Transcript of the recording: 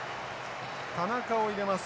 田中を入れます。